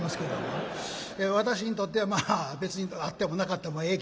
私にとっては別にあってもなかったもええ